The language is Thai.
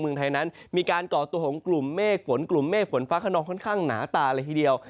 เมืองไทยนั้นมีการก่อตัวของกลุ่มเมฆฝนกลุ่มเมฆฝนฟ้าขนองค่อนข้างหนาตาเลยทีเดียว